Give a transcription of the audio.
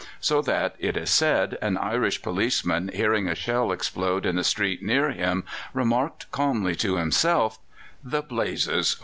So that, it is said, an Irish policeman, hearing a shell explode in the street near him, remarked calmly to himself: "The blazes!